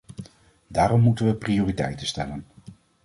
Daarom moeten we prioriteiten stellen.